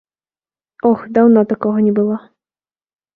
Ох, даўно такога не было!